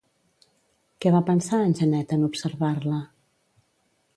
Què va pensar en Janet en observar-la?